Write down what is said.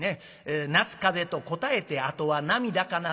「夏風邪と答えてあとは涙かな」